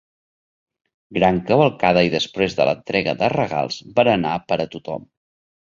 Gran Cavalcada i després de l'entrega de regals, berenar per a tothom.